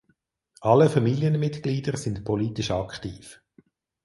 Alle Familienmitglieder sind politisch aktiv.